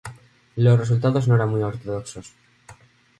Los resultados no eran muy ortodoxos.